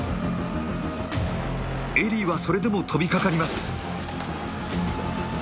エリーはそれでも飛びかかります。